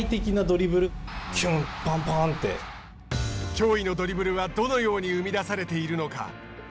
驚異のドリブルはどのように生み出されているのか。